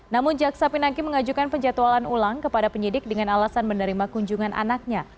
namun jaksa pinangki mengajukan penjatualan ulang kepada penyidik dengan alasan menerima kunjungan anaknya